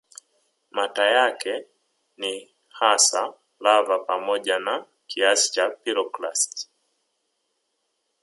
Mata yake ni hasa lava pamoja na kiasi cha piroklasti